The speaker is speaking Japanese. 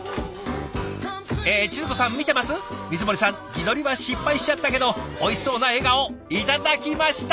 光森さん自撮りは失敗しちゃったけどおいしそうな笑顔頂きました。